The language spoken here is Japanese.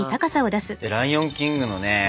「ライオン・キング」のね